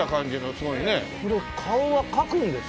これ顔は描くんですか？